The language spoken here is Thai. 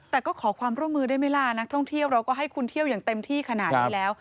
แต่ก็ขอความร่วมมือได้ไหมล่ะนักท่องเที่ยวเราก็ให้คุณเที่ยวอย่างเต็มที่ขนาดนี้แล้ว